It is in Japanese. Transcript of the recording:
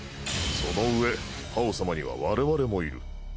そのうえ葉王様には我々もいる。